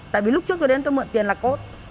tại vì lúc trước tôi đến tôi mượn tiền là cốt